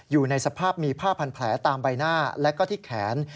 อยู่ในสภาพมีผ้าพันแผลตามใบหน้าและก็ที่แขน